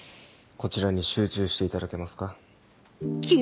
こちらに集中していただけますか。